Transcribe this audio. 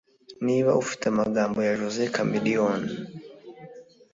niba ufite amagambo ya "jose chameleone